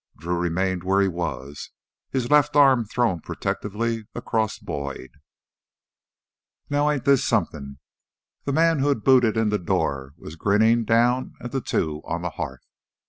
Drew remained where he was, his left arm thrown protectingly across Boyd. "Now ain't this somethin'?" The man who had booted in the door was grinning down at the two on the hearth.